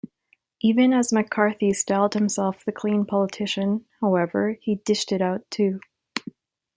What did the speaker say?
Even as McCarthy styled himself the clean politician, however, he dished it out, too.